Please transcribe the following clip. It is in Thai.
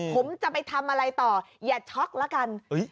ผมจะไปทำอะไรต่ออย่าช็อกละกัน